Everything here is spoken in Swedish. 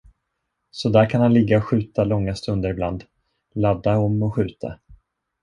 Så där kan han ligga och skjuta långa stunder ibland, ladda om och skjuta.